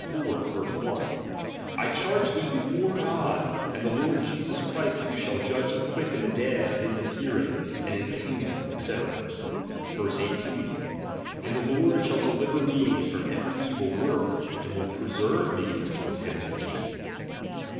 1) :/ charge thee hefore God, and the Lord Jesus Christ, who shall Judge the quick and dead at his appearing, and his kingdom, &c. : (verse 18): And the Lord shall deliver me from erery evil work, and tcill preserte me unto his heavenly king dom.